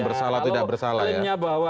bersalah atau tidak bersalah kalau halnya bahwa